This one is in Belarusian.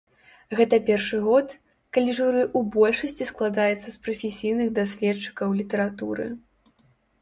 Гэта першы год, калі журы ў большасці складаецца з прафесійных даследчыкаў літаратуры.